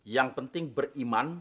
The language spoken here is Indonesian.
yang penting beriman